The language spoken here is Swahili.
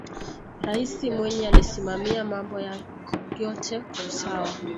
raisi mwinyi alisimamia mambo yote kwa usawa